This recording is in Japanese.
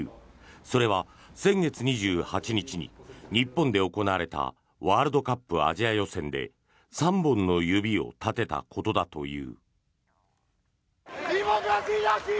それは先月２８日に日本で行われたワールドカップアジア予選で３本の指を立てたことだという。